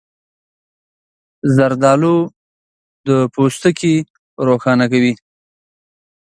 زردالو د پوستکي روښانه کوي.